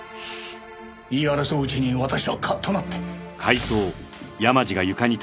言い争ううちに私はカッとなって。